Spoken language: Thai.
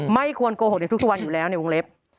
ไม่ควรโกหกในทุกวันอยู่แล้วในวงเล็บ